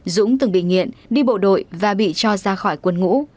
dũng từng bị nghiện đi bộ đội và bị cho ra khỏi quân ngũ